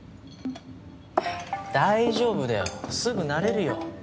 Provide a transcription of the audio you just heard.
大丈夫だよすぐ慣れるよ。